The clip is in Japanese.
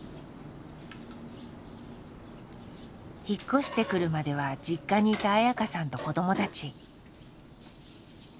引っ越してくるまでは実家にいた綾香さんと子どもたち。